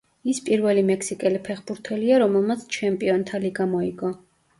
ის პირველი მექსიკელი ფეხბურთელია, რომელმაც ჩემპიონთა ლიგა მოიგო.